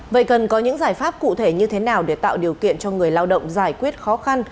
vậy cần có những giải pháp cụ thể như thế nào để tạo điều kiện cho người lao động giải quyết khó khăn